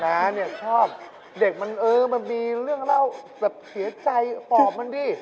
น้าเนี่ยชอบเด็กมันเออมันมีเรื่องเล่าแบบเสียใจปอบมันดิ